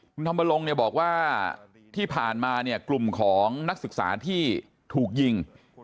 คุณธรรมรงค์บอกว่าที่ผ่านมากลุ่มของนักศึกษาที่ถูกยิง